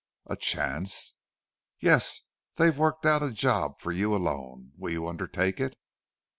"A chance!" "Yes. They've worked out a job for you alone. Will you undertake it?"